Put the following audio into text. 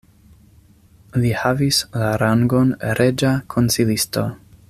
Li havis la rangon reĝa konsilisto.